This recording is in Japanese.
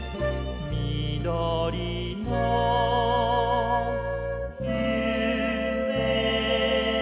「みどりのゆめを」